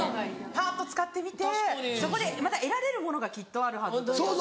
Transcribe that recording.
パっと使ってみてそこでまた得られるものがきっとあるはずというか。